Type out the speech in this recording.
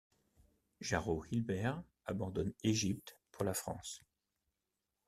Jaro Hilbert abandonne Égypte pour la France.